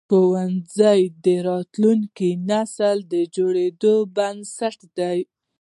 ښوونځي د راتلونکي نسل د جوړېدو بنسټ دي.